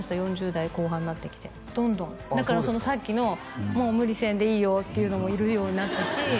４０代後半になってきてどんどんだからさっきのもう無理せんでいいよっていうのも言えるようになったし